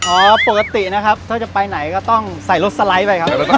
ปกตินะครับถ้าจะไปไหนก็ต้องใส่รถสไลด์ไปครับ